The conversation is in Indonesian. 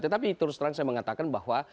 tetapi terus terang saya mengatakan bahwa